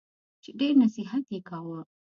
چي ډېر نصیحت یې کاوه !